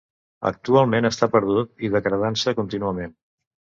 Actualment està perdut i degradant-se contínuament.